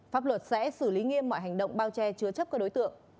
pháp luật sẽ xử lý nghiêm mọi hành động bao che chứa chấp các đối tượng